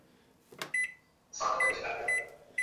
Sir মাথা গেছে না কি আপনার?